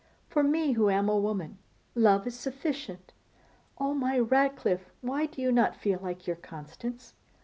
For me, who am a woman, love is sufficient. Oh! my Ratcliffe, why do you not feel like your Constance?